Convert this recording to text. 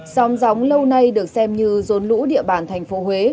xóm gióng lâu nay được xem như rốn lũ địa bàn tp huế